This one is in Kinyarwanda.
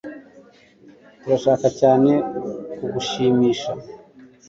Turashaka cyane kugushimisha